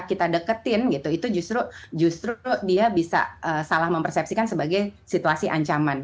kita deketin gitu itu justru dia bisa salah mempersepsikan sebagai situasi ancaman